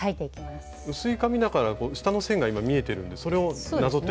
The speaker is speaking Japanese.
薄い紙だから下の線が今見えてるのでそれをなぞっていけばいいんですね。